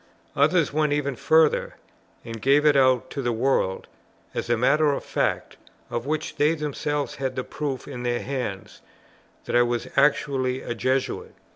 Others went even further, and gave it out to the world, as a matter of fact, of which they themselves had the proof in their hands, that I was actually a Jesuit.